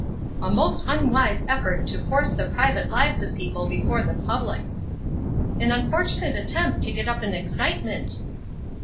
"A most unwise effort to force the private lives of people before the public." "An unfortunate attempt to get up an excitement."